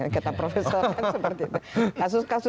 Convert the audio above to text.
kata profesor kan seperti itu